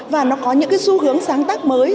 và nó có những cái xu hướng sáng tác mới